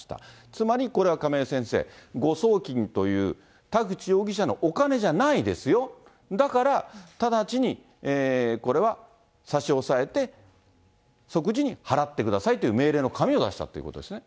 つまりこれは亀井先生、誤送金という、田口容疑者のお金じゃないですよ、だから直ちにこれは差し押さえて、即時に払ってくださいという命令の紙を出したっていうことですね。